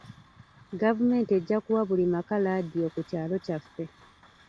Gavumenti ejja kuwa buli maka laadiyo ku kyalo kyaffe.